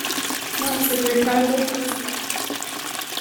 "No," said Ricardo, with a smile.